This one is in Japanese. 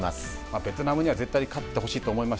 ベトナムには絶対に勝ってほしいと思います。